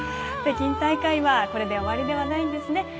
北京大会はこれで終わりではないんですね。